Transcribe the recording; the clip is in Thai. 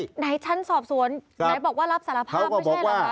ไหนชั้นสอบสวนไหนบอกว่ารับสารภาพไม่ใช่เหรอคะ